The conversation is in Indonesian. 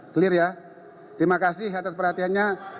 clear ya terima kasih atas perhatiannya